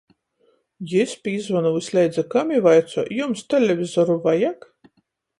Jis pīzvona vysleidza kam i vaicoj: Jums televizoru vajag?